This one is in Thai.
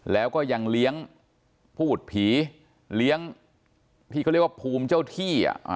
แล้วก็ยังเลี้ยงพูดผีเลี้ยงที่เขาเรียกว่าภูมิเจ้าที่